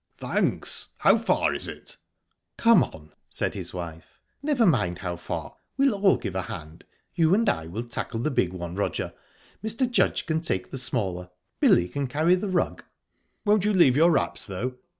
"Thanks! How far is it?" "Come on!" said his wife. "Never mind how far we'll all give a hand. You and I will tackle the big one, Roger; Mr. Judge can take the smaller; Billy can carry the rug." "Won't you leave your wraps, though?"